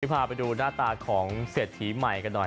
พาไปดูหน้าตาของเศรษฐีใหม่กันหน่อย